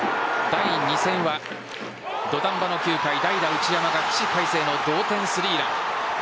第２戦は土壇場の９回、代打・内山が起死回生の同点３ラン。